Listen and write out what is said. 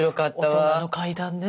大人の階段ね。